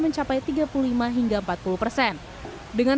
mencapai tiga puluh lima hingga empat puluh persen dengan